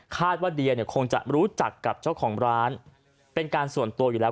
ว่าเดียเนี่ยคงจะรู้จักกับเจ้าของร้านเป็นการส่วนตัวอยู่แล้ว